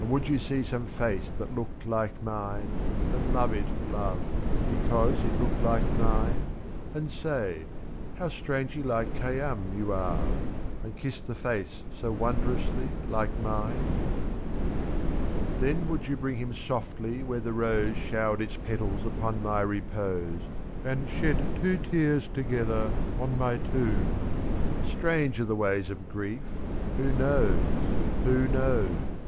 And would you see some face that looked like mine. And love it, love — because it looked like mine ! 2^f And say, " How strangely like Khayyam you are !'* And kiss the face so wondrously like mine! Then would you bring him softly where the rose Showered its petals upon my repose, 2i'^ And shed two tears together on my tomb — Strange are the ways of grief — who knows — who knows!